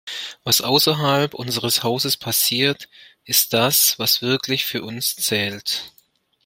Was außerhalb unseres Hauses passiert, ist das, was wirklich für uns zählt.